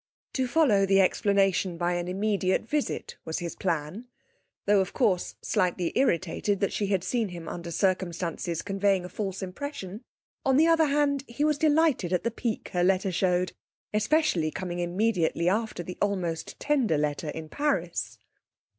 To follow the explanation by an immediate visit was his plan. Though, of course, slightly irritated that she had seen him under circumstances conveying a false impression, on the other hand he was delighted at the pique her letter showed, especially coming immediately after the almost tender letter in Paris.